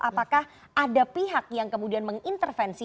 apakah ada pihak yang kemudian mengintervensi